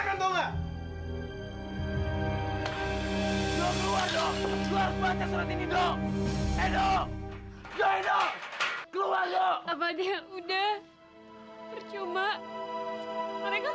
keluar dong luar baca surat ini dong edo jahe dong keluar dong apa dia udah percuma mereka